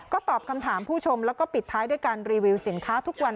ก็ตอบคำถามผู้ชมแล้วก็ปิดท้ายด้วยการรีวิวสินค้าทุกวัน